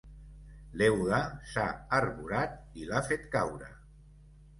L'euga s'ha arborat i l'ha fet caure.